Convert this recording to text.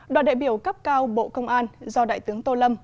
đoàn đại biểu cấp cao bộ công an do đại tướng tô lâm